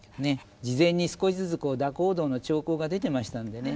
事前に少しずつ蛇行動の兆候が出てましたんでね